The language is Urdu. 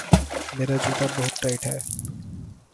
میرا جوتا بہت ٹائٹ ہے